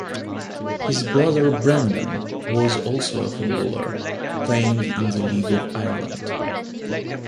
His brother Brendan was also a footballer, playing in the League of Ireland.